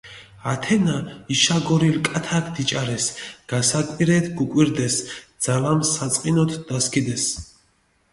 ათენა იშაგორილი კათაქ დიჭარეს, გასაკვირეთი გუკვირდეს, ძალამი საწყინოთ დასქიდეს.